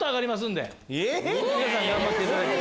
皆さん頑張っていただきたい。